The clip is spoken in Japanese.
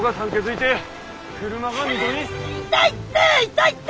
痛いって！